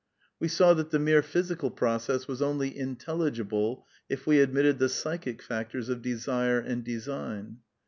We saw that the mere phy sical process was only intelligible if we admitted the psychic factors of desire and design.